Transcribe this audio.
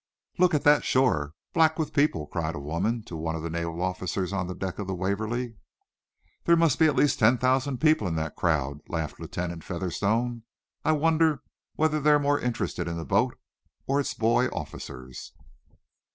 "Look at that shore, black with people!" cried a woman to one of the naval officers on the deck of the "Waverly." "There must be at least ten thousand people in that crowd," laughed Lieutenant Featherstone. "I wonder whether they're more interested in the boat, or its boy officers?"